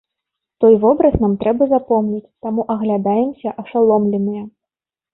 Той вобраз нам трэба запомніць, таму аглядаемся ашаломленыя.